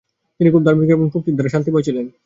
তিনি খুব ধার্মিক এবং প্রকৃতির দ্বারা শান্তিময় ছিলেন ।